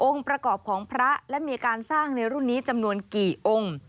ประกอบของพระและมีการสร้างในรุ่นนี้จำนวนกี่องค์